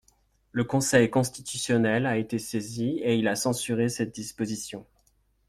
Le Conseil constitutionnel a été saisi et il a censuré cette disposition.